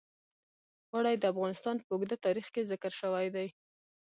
اوړي د افغانستان په اوږده تاریخ کې ذکر شوی دی.